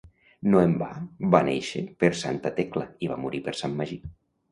No en va, va néixer per Santa Tecla i va morir per Sant Magí.